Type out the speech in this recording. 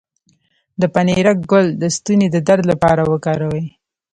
د پنیرک ګل د ستوني د درد لپاره وکاروئ